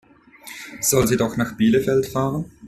Soll sie doch nach Bielefeld fahren?